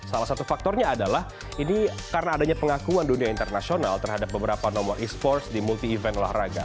salah satu faktornya adalah ini karena adanya pengakuan dunia internasional terhadap beberapa nomor e sports di multi event olahraga